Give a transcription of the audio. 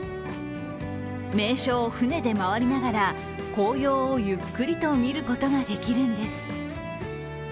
名所を船で周りながら紅葉をゆっくりと見ることができるんです。